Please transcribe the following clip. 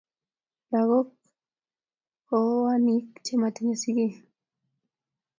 Lagok kwananik che matinyei sigik